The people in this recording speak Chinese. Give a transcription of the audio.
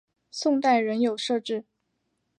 宋代仍有设置。